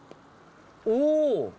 おお！